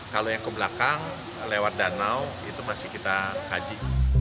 kalau yang ke belakang lewat danau itu masih kita kaji